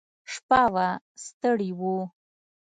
شپه وه ستړي وو.